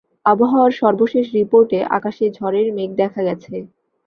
আবহাওয়ার সর্বশেষ রিপোর্টে আকাশে ঝড়ের মেঘ দেখা গেছে।